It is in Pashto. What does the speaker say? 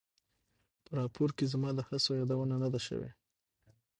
په راپور کې زما د هڅو یادونه نه ده شوې.